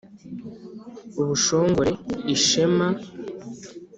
ubushongore: ishema